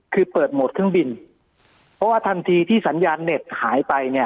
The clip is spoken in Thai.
คือเปิดโหมดเครื่องบินเพราะว่าทันทีที่สัญญาณเน็ตหายไปเนี่ย